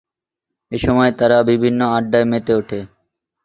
এসময় তারা বিভিন্ন আড্ডায় মেতে উঠে।